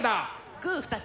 グー２つ。